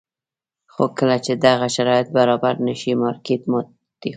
خو کله چې دغه شرایط برابر نه شي مارکېټ ماتې خوري.